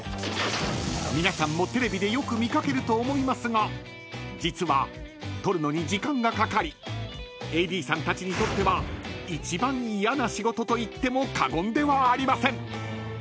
［皆さんもテレビでよく見掛けると思いますが実は撮るのに時間がかかりＡＤさんたちにとっては一番嫌な仕事と言っても過言ではありません］